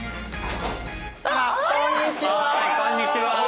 こんにちは。